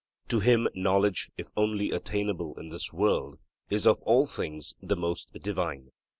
To him knowledge, if only attainable in this world, is of all things the most divine.